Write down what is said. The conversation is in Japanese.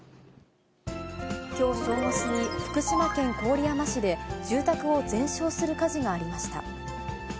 きょう正午過ぎ、福島県郡山市で、住宅を全焼する火事がありました。